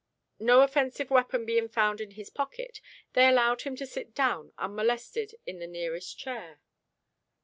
No offensive weapon being found in his pockets, they allowed him to sit down unmolested in the nearest chair.